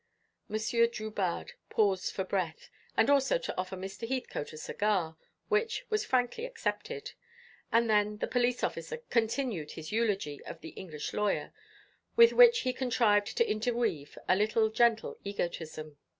Monsieur Drubarde paused for breath, and also to offer Mr. Heathcote a cigar, which was frankly accepted. And then the police officer continued his eulogy of the English lawyer, with which he contrived to interweave a little gentle egotism.